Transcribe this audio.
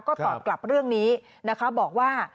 ก็ตอบกลับเรื่องนี้นะคะบอกว่า